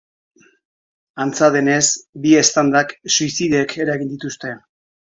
Antza denez, bi eztandak suizidek eragin dituzte.